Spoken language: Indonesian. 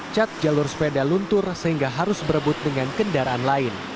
cat jalur sepeda luntur sehingga harus berebut dengan kendaraan lain